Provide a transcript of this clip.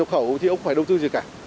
không phải đầu tư gì cả